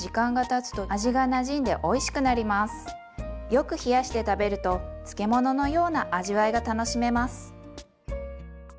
よく冷やして食べると漬物のような味わいが楽しめます。